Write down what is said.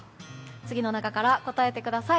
次の中から答えてください。